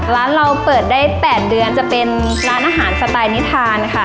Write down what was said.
ร้านเราเปิดได้๘เดือนจะเป็นร้านอาหารสไตล์นิทานค่ะ